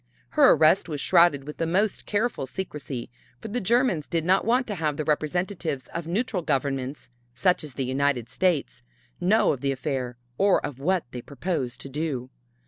Her arrest was shrouded with the most careful secrecy, for the Germans did not want to have the representatives of neutral governments, such as the United States, know of the affair or of what they proposed to do.